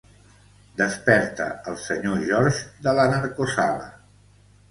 Desperta el sr. George de la narcosala.